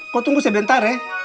kau tunggu sebentar ya